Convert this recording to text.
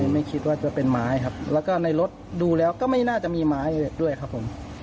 ไม่คิดว่าจะเป็นไม้ครับแล้วก็ในรถดูแล้วก็ไม่น่าจะมีไม้ด้วยครับผม